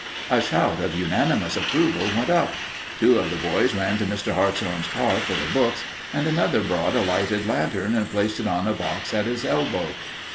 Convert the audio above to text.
A shout of unanimous approval went up. Two of the boys ran to Mr. Hartshorn's car for the books, and another brought a lighted lantern and placed it on a box at his elbow.